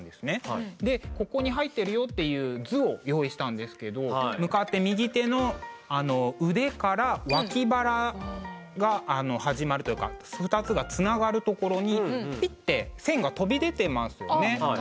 でここに入ってるよっていう図を用意したんですけど向かって右手の腕から脇腹が始まるというか２つがつながるところにピッて線が飛び出てますよね。